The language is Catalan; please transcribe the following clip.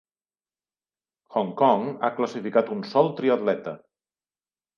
Hong Kong ha classificat un sol triatleta.